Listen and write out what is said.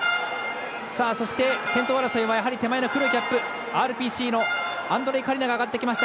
そして、先頭争いは先頭の黒いキャップＲＰＣのアンドレイ・カリナが上がってきました。